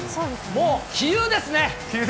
もう杞憂ですね。